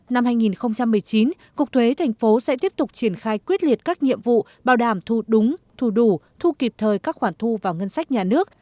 năm hai nghìn một mươi chín cục thuế thành phố sẽ tiếp tục triển khai quyết liệt các nhiệm vụ bảo đảm thu đúng thu đủ thu kịp thời các khoản thu vào ngân sách nhà nước